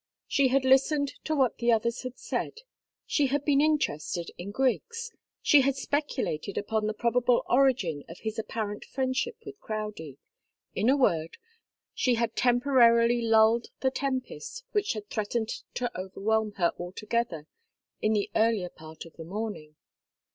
She had listened to what the others had said, she had been interested in Griggs, she had speculated upon the probable origin of his apparent friendship with Crowdie; in a word, she had temporarily lulled the tempest which had threatened to overwhelm her altogether in the earlier part of the morning.